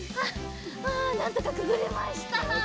あなんとかくぐれました。